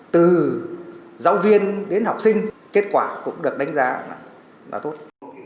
từ giáo viên đến học sinh kết quả cũng được đánh giá là tốt